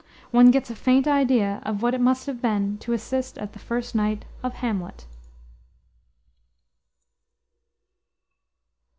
One gets a faint idea of what it must have been to assist at the first night of Hamlet.